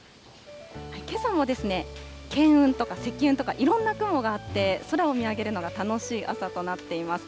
けさも巻雲とか積雲とか、いろんな雲があって、空を見上げるのが楽しい朝となっています。